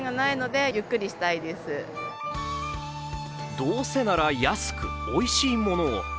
どうせなら安くおいしいものを。